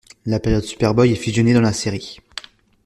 La période Superboy est fusionnée dans la série.